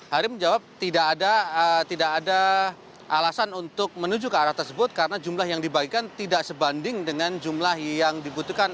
hari menjawab tidak ada alasan untuk menuju ke arah tersebut karena jumlah yang dibagikan tidak sebanding dengan jumlah yang dibutuhkan